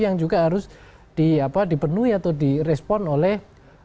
yang juga harus dipenuhi atau direspon oleh